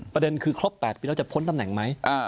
ประเด็นคือครบ๘ปีแล้วจะพ้นตำแหน่งไหม